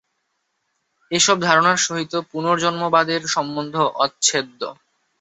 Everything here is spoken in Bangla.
এই সব ধারণার সহিত পুনর্জন্মবাদের সম্বন্ধ অচ্ছেদ্য।